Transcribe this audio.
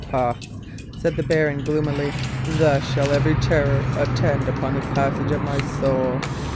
"Ha!" said the baron, gloomily, "thus shall every terror attend upon the passage of my soul!